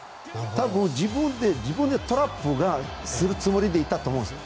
多分、自分でトラップをするつもりでいたと思うんです。